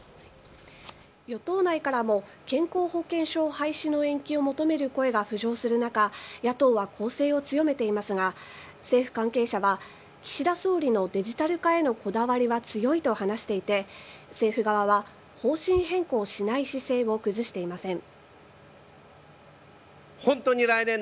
与党内からも健康保険証廃止の延期を求める声が浮上する中野党は攻勢を強めていますが政府関係者は岸田総理のデジタル化へのこだわりは強いと話していて政府側は方針変更しない姿勢を崩していません。